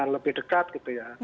lebih dekat gitu ya